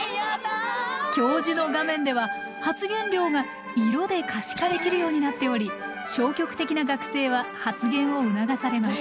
教授の画面では発言量が色で可視化できるようになっており消極的な学生は発言を促されます。